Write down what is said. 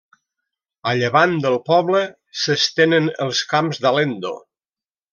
A llevant del poble s'estenen els Camps d'Alendo.